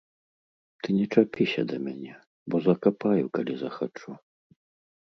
Ты не чапіся да мяне, бо закапаю, калі захачу.